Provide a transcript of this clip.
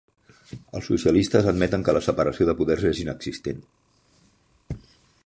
Els socialistes admeten que la separació de poders és inexistent